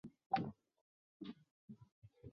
菲白竹为禾本科大明竹属下的一个种。